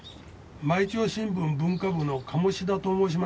毎朝新聞文化部の鴨志田と申します。